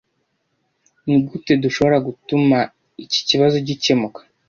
Nigute dushobora gutuma iki kibazo gikemuka?